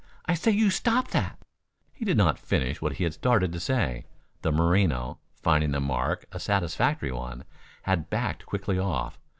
I say you stop that you " He did not finish what he had started to say. The Merino, finding the mark a satisfactory one, had backed quickly off.